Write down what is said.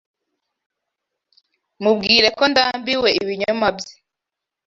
Mubwire ko ndambiwe ibinyoma bye.